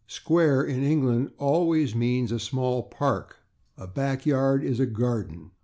/Square/, in England, always means a small park. A backyard is a /garden